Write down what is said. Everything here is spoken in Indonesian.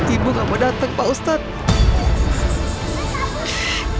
ibu gak mau datang pak ustadz